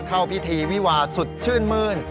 เข้าพิธีวิวาสุดชื่นมื้น